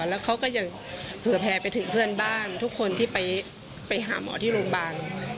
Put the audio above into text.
แล้วเขาก็ยังเผื่อแพรไปถึงเพื่อนบ้านทุกคนที่ไปหาหมอที่โรงพยาบาล